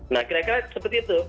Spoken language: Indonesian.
nah kira kira seperti itu